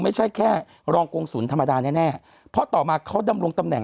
ไม่ใช่แค่รองกงศูนย์ธรรมดาแน่แน่เพราะต่อมาเขาดำรงตำแหน